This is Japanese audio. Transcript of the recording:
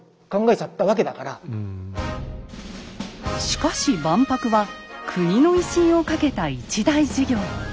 しかし万博は国の威信を懸けた一大事業。